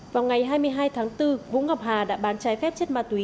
vào ngày hai mươi hai tháng bốn vũ ngọc hà đã bán trái phép chất ma túy